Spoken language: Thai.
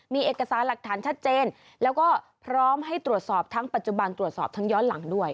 มีเอกสารหลักฐานชัดเจนแล้วก็พร้อมให้ตรวจสอบทั้งปัจจุบันตรวจสอบทั้งย้อนหลังด้วย